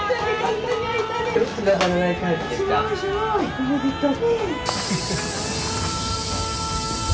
おめでとう！